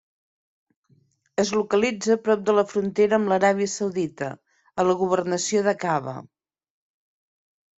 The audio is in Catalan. Es localitza prop de la frontera amb l'Aràbia Saudita, a la governació d'Aqaba.